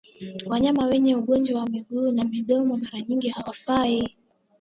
Wanyama wenye ugonjwa wa miguu na mdomo mara nyingi hawafi